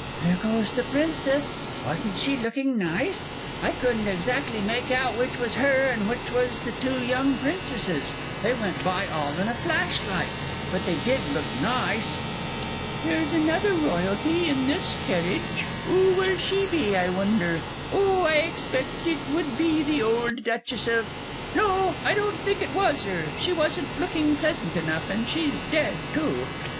There goes the Princess wasn't she looking nice? I couldn't exactly make out which was her and which was the two young Princesses, they went by all in a flash like, but they did look nice!... 'Ere's another Royalty in this kerridge 'oo will she be, I wonder? Oh, I expect it would be the old Duchess of No, I don't think it was 'er, she wasn't looking pleasant enough, and she's dead, too....